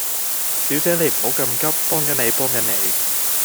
小姐你唔好咁急，幫緊你，幫緊你